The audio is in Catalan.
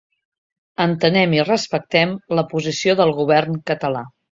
Entenem i respectem la posició del govern català.